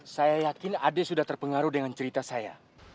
saya yakin ade sudah terpengaruh dengan cerita saya